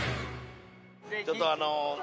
ちょっとあの。